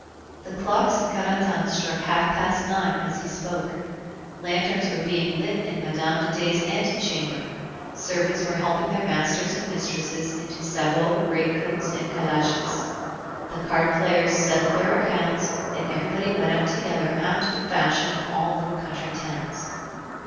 The clocks in Carentan struck half past nine as he spoke. Lanterns were being lit in Mme. de Dey's antechamber, servants were helping their masters and mistresses into sabots, greatcoats, and calashes. The card players settled their accounts, and everybody went out together, after the fashion of all little country towns.